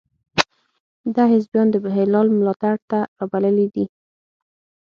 ده حزبیان د هلال ملاتړ ته را بللي دي.